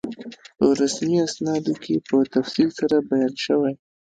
په رسمي اسنادو کې په تفصیل سره بیان شوی.